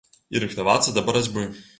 І рыхтавацца да барацьбы.